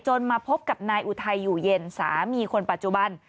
มาพบกับนายอุทัยอยู่เย็นสามีคนปัจจุบัน